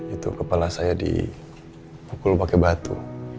itu kepala saya dipukul pakai batu